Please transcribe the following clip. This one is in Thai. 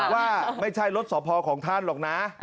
ว่าไม่ใช่รถสพของท่านหรอกนะ